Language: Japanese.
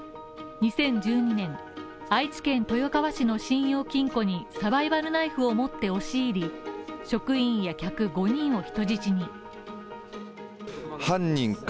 ２０１２年、愛知県豊川市の信用金庫にサバイバルナイフを持って押し入り、職員や客５人を人質に。